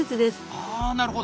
あなるほど。